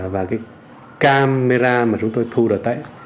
và camera mà chúng tôi thu được